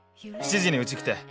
「７時にうち来て。